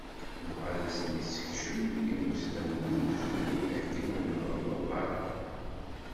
Nebɣa ad d-nessekcem imusnawen n umezruy akken ur nɣelleḍ ara.